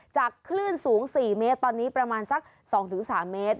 คลื่นสูง๔เมตรตอนนี้ประมาณสัก๒๓เมตร